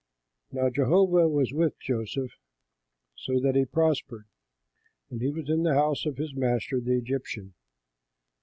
Now Jehovah was with Joseph, so that he prospered; and he was in the house of his master, the Egyptian.